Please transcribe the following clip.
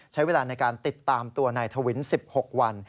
ใช้เวลาในการติดตามตัวนายทวิน๑๖วัน